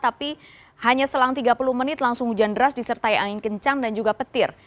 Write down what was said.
tapi hanya selang tiga puluh menit langsung hujan deras disertai angin kencang dan juga petir